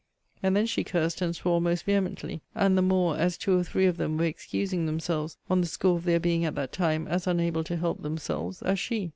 And then she cursed and swore most vehemently, and the more, as two or three of them were excusing themselves on the score of their being at that time as unable to help themselves as she.